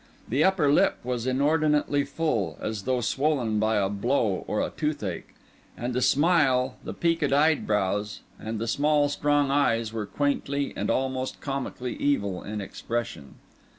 The upper lip was inordinately full, as though swollen by a blow or a toothache; and the smile, the peaked eyebrows, and the small, strong eyes were quaintly and almost comically evil in expression.